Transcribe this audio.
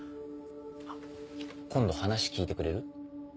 あっ今度話聞いてくれる？